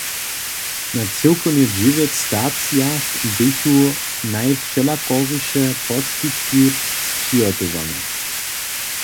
Na cyłkownje dźewjeć stacijach běchu najwšelakoriše poskitki spřihotowane.